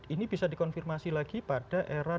ini bisa dikonfirmasi lagi pada era